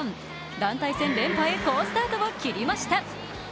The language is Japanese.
団体戦連覇へ好スタートを切りました。